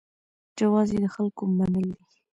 جواز یې د خلکو منل دي.